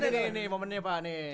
nah ini momennya pak